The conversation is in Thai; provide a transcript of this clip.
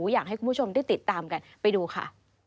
อยากให้คุณผู้ชมได้ติดตามกันไปดูค่ะ